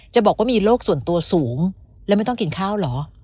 บอกว่ามีโรคส่วนตัวสูงและไม่ต้องกินข้าวเหรอ